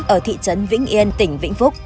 ở thị trấn vĩnh yên tỉnh vĩnh phúc